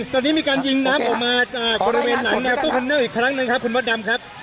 ตอนนี้มีการยิงน้ำออกมาจากบริเวณหนังแนวตู้คอนเนอร์อีกครั้งหนึ่งครับคุณมดดำครับ